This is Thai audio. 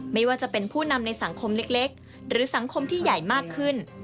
ไม่ว่าจะเป็นผู้นำในสังคมเล็กหรือสังคมที่ใหญ่มากขึ้น